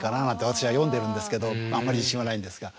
私は読んでるんですけどあんまり自信はないんですが。